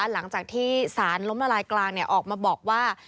หลังจากที่สารล้มละลายกลางออกมาบอกว่า